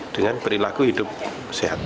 dengan perilaku hidup sehat